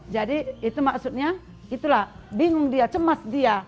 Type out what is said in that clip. jadi itu maksudnya itulah bingung dia cemas dia